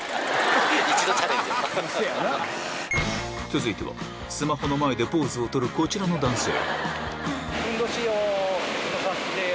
続いてはスマホの前でポーズを取るこちらの男性